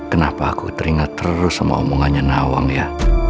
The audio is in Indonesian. kenapa aku teringat terus sama omongannya nawang ya